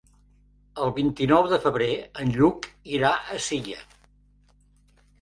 El vint-i-nou de febrer en Lluc irà a Silla.